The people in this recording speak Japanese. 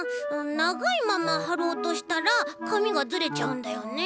ながいままはろうとしたらかみがズレちゃうんだよね。